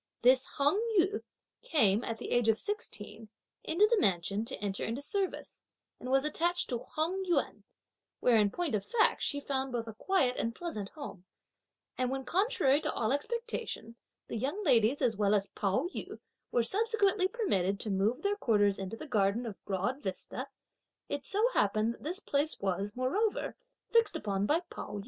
This Hung yü came, at the age of sixteen, into the mansion, to enter into service, and was attached to the Hung Yuan, where in point of fact she found both a quiet and pleasant home; and when contrary to all expectation, the young ladies as well as Pao yü, were subsequently permitted to move their quarters into the garden of Broad Vista, it so happened that this place was, moreover, fixed upon by Pao yü.